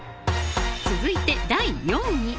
続いて、第４位。